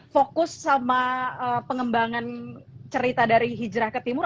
fokus sama pengembangan cerita dari hijrah ke timur